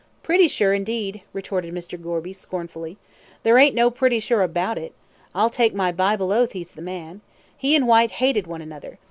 "Pretty sure, indeed!" retorted Mr. Gorby, scornfully, "there ain't no pretty sure about it. I'd take my Bible oath he's the man. He and Whyte hated one another.